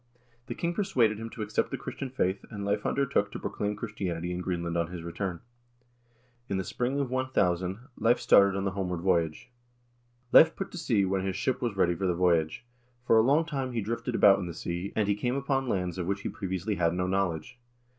The king persuaded him to accept the Chris tian faith, and Leiv undertook to proclaim Christianity in Greenland on his return. In the spring of 1000 Leiv started on the homeward voyage. "Leiv put to sea when his ship was ready for the voyage. For a long time he drifted about in the sea, and he came upon lands of which he previously had no knowledge.